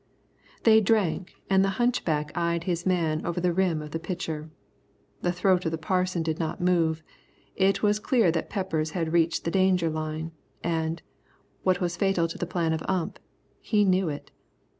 They drank, and the hunchback eyed his man over the rim of the pitcher. The throat of the Parson did not move. It was clear that Peppers had reached the danger line, and, what was fatal to the plan of Ump, he knew it.